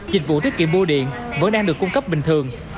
dịch vụ tiết kiệm mua điện vẫn đang được cung cấp bình thường